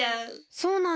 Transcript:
そうなんだ。